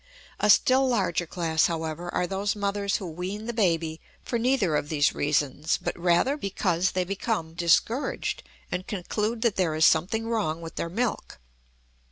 A still larger class, however, are those mothers who wean the baby for neither of these reasons, but rather because they become discouraged and conclude that there is something wrong with their milk.